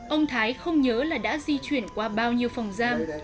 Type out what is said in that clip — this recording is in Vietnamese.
ông thái không nhớ là đã di chuyển qua bao nhiêu phòng giam